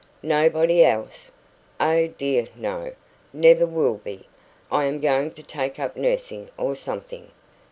"Nobody else ?" "Oh, dear, no! Never will be. I am going to take up nursing or something."